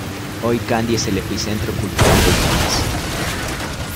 Hoy Kandy es el epicentro cultural del país.